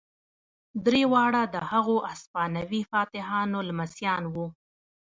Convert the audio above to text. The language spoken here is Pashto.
درې واړه د هغو هسپانوي فاتحانو لمسیان وو.